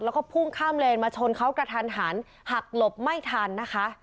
แล้วก็พุ่งข้ามเลนมาชนเขากระทันหันหักหลบไม่ทันนะคะ